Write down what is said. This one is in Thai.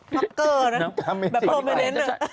มาร์คเกอร์นะ